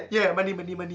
ya ya mandi mandi mandi